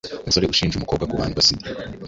Umusore ushinja umukobwa kumwanduza Sida